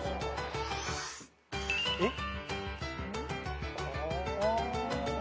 えっ？